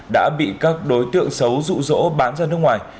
đã bị các đối tượng xấu rụ rỗ bán ra nước ngoài